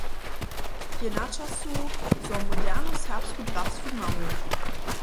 Je načasu, zo modernu serbsku drastu mamy.